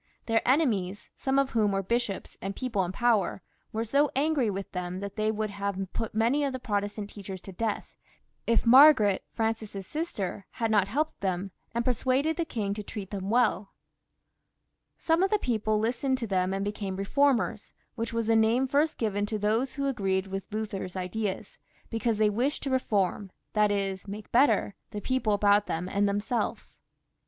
Their enemies, some of whom were bishops and people in power, were so angry with them that they would have put many of the Protestant teachers to death, if Margaret, Francis's sister, had not helped them, and per suaded the king to treat them welL Some of the people listened to them and became reformers, which was the name first given to those who agreed with Luther's ideas, because they wished to reform, that is make better, the people about them and themselves.